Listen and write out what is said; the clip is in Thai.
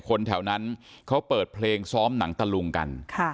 คนแถวนั้นเขาเปิดเพลงซ้อมหนังตะลุงกัน